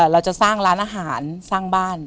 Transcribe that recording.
เราจะสร้างร้านอาหารสร้างบ้าน